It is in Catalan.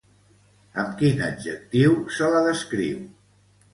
Amb quin adjectiu se la descriu?